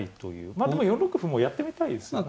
まあでも４六歩もやってみたいですよね。